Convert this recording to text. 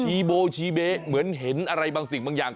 โบชีเบ๊เหมือนเห็นอะไรบางสิ่งบางอย่าง